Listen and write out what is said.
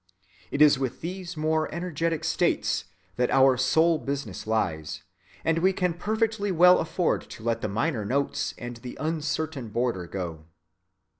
It is with these more energetic states that our sole business lies, and we can perfectly well afford to let the minor notes and the uncertain border go.